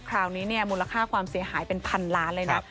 คราวนี้เนี่ยมูลค่าความเสียหายเป็นพันล้านเลยนะ